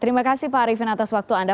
terima kasih pak arifin atas waktu anda